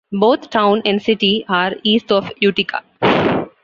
Both town and city are east of Utica.